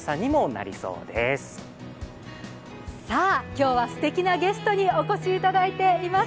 今日はすてきなゲストにお越しいただいています。